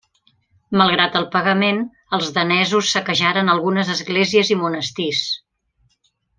Malgrat el pagament, els danesos saquejaren algunes esglésies i monestirs.